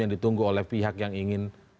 yang ditunggu oleh pihak yang ingin